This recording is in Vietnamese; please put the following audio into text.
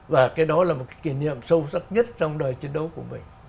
và cái đó là một cái kỷ niệm sâu sắc nhất trong đời chiến đấu của mình